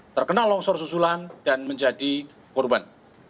terkena longsor susulan dan menjadi korban